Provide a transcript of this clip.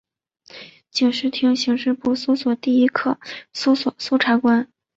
警视厅刑事部搜查第一课搜查官。